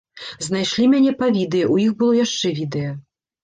Знайшлі мяне па відэа, у іх было яшчэ відэа.